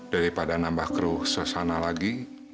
daripada nambah kru sesana lagi